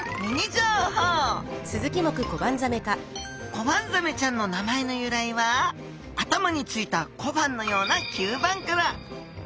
コバンザメちゃんの名前の由来は頭についた小判のような吸盤から。